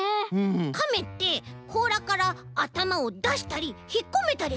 カメってこうらからあたまをだしたりひっこめたりするもんね。